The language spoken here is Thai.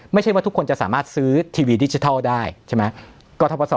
ไม่ใช่ว่าทุกคนจะสามารถซื้อทีวีดิจิทัลได้ใช่ไหม